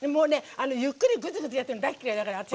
ゆっくりぐずぐずやってるの大嫌いだから、私。